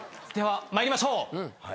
では参りましょう。